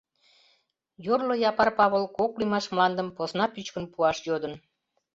Йорло Япар Павыл кок лӱмаш мландым поена пӱчкын пуаш йодын.